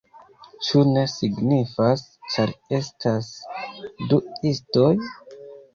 Ĉu ne signifas, ĉar estas du istoj?